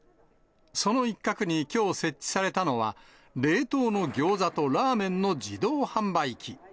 その一角にきょう、設置されたのは冷凍の餃子とラーメンの自動販売機。